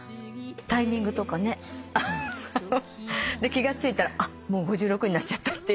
気が付いたらもう５６になっちゃったっていう。